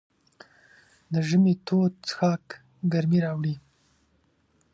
د ژمي تود څښاک ګرمۍ راوړي.